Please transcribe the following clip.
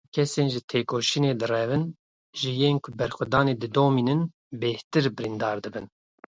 Kesên ji têkoşînê direvin, ji yên ku berxwedanê didomînin bêhtir birîndar dibin.